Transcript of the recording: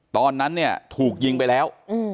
ตอนนั้นเนี่ยถูกยิงไปแล้ว